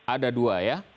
ada dua ya